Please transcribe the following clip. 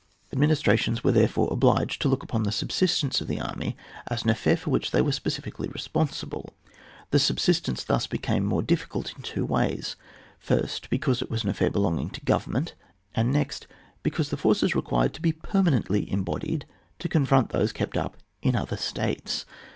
Administrations were therefore obliged to look upon the subsistence of the army as an iJfair for which they were specially responsible. The subsistence thus became more diffi cult in two ways : first, because it was an affair belonging to government, and next because the forces required to be per manently embodied to confront those kept up in other states.